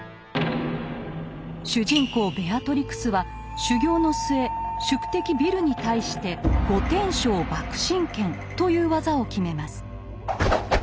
主人公ベアトリクスは修行の末宿敵ビルに対して「五点掌爆心拳」という技を決めます。